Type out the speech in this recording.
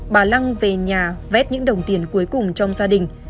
bà lăng về nhà vét những đồng tiền cuối cùng trong gia đình